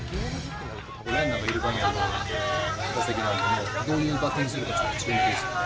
ランナーがいる場面での打席なんで、どういうバッティングするか注目ですよね。